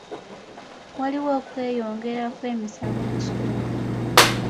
Waliwo okweyongera kw'emisango mu kitundu.